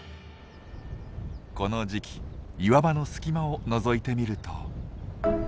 この時期岩場の隙間をのぞいてみると。